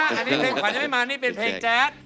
อันนี้เพลงขวัญยังไม่มานี่เป็นเพลงแจ๊ด